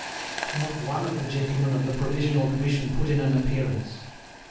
Not one of the gentlemen of the Provisional Commission put in an appearance.